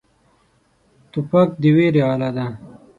توپک د ویرې اله دی.